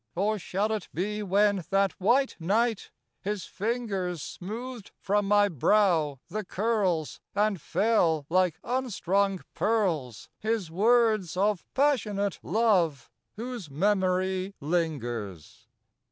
"Or shall it be when, that white night, his fingers Smoothed from my brow the curls, And fell, like unstrung pearls, His words of passionate love whose memory lingers?